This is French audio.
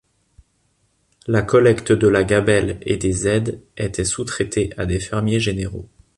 La collecte de la gabelle et des aides étaient sous-traitées à des fermiers généraux.